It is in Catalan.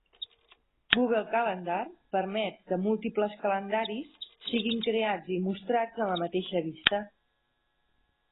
Google Calendar permet que múltiples calendaris siguin creats i mostrats en la mateixa vista.